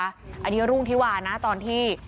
อันนี้รุ่งที่วานะตอนที่